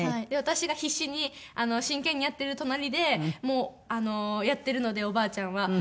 で私が必死に真剣にやってる隣でやってるのでおばあちゃんは。